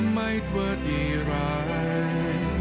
ไม่ว่าดีร้าย